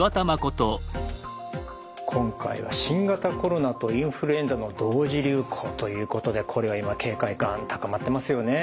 今回は新型コロナとインフルエンザの同時流行ということでこれは今警戒感高まってますよね。